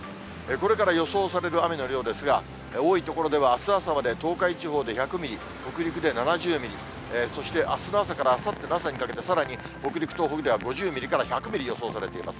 これから予想される雨の量ですが、多い所ではあす朝まで東海地方で１００ミリ、北陸で７０ミリ、そしてあすの朝からあさっての朝にかけて、さらに北陸、東北では５０ミリから１００ミリ予想されています。